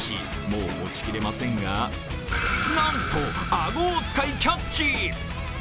もう持ちきれませんが、なんと顎を使い、キャッチ！